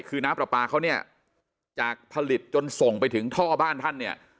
คือน้ำปลาปลาเขาเนี่ยจากผลิตจนส่งไปถึงท่อบ้านท่านเนี่ย